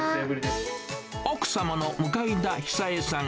奥様の向田久恵さん。